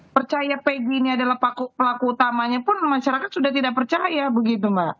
percaya peggy ini adalah pelaku utamanya pun masyarakat sudah tidak percaya begitu mbak